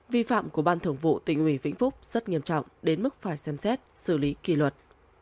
vi phạm của ban thường vụ tỉnh ủy vĩnh phúc rất nghiêm trọng đến mức phải xem xét xử lý kỳ luật